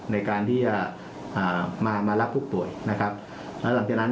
ในการที่จะอ่ามามารับผู้ป่วยนะครับแล้วหลังจากนั้น